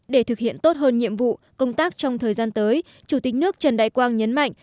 để thực hiện tốt hơn nhiệm vụ công tác trong thời gian tới chủ tịch nước trần đại quang nhấn mạnh